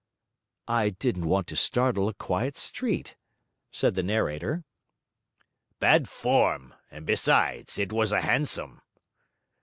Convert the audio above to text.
'I didn't want to startle a quiet street,' said the narrator. 'Bad form. And besides, it was a hansom.'